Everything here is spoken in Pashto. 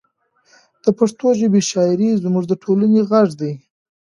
د پښتو ژبې شاعري زموږ د ټولنې غږ دی.